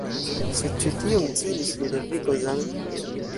Sed ĉu tion celis Ludoviko Zamenhof?